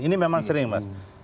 ini memang sering mas